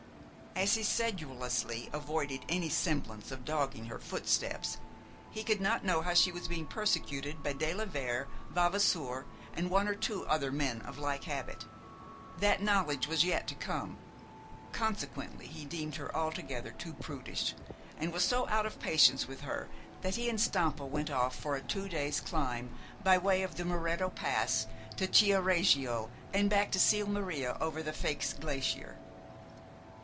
As he sedulously avoided any semblance of dogging her footsteps, he could not know how she was being persecuted by de la Vere, Vavasour, and one or two other men of like habit. That knowledge was yet to come. Consequently he deemed her altogether too prudish, and was so out of patience with her that he and Stampa went off for a two days' climb by way of the Muretto Pass to Chiareggio and back to Sils Maria over the Fex glacier.